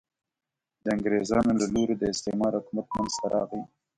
د انګرېزانو له لوري د استعمار حکومت منځته راغی.